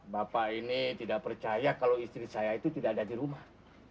bapak ini tidak percaya kalau istri saya itu tidak ada di rumah